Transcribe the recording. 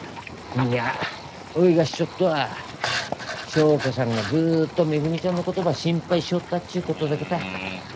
うんにゃおいが知っちょっとは祥子さんがずっとめぐみちゃんのことば心配しとったっちゅうことだけたい。